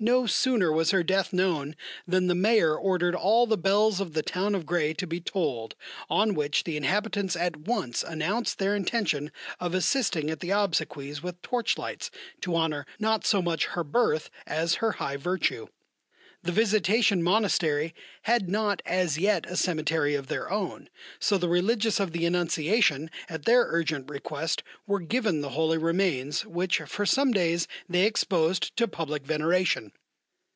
No sooner was her death known, than the Mayor ordered all the bells of the town of Gray to be tolled, on which the inhabitants at once announced their intention of assisting at the obsequies with torch lights to honour not so much her birth as her high virtue. The Visitation Monastery had not as yet a cemetery of their own, so the religious of the Annunciation, at their urgent request were given the holy remains, which for some days they exposed to public veneration.